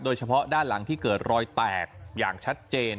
โดยเฉพาะด้านหลังที่เกิดรอยแตกอย่างชัดเจน